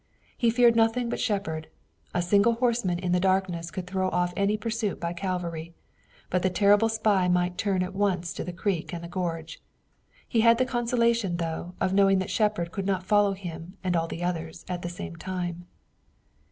He feared nothing but Shepard. A single horseman in the darkness could throw off any pursuit by cavalry, but the terrible spy might turn at once to the creek and the gorge. He had the consolation, though, of knowing that Shepard could not follow him and all the others at the same time.